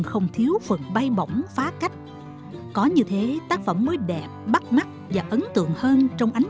không thiếu phần bay bỏng phá cách có như thế tác phẩm mới đẹp bắt mắt và ấn tượng hơn trong ánh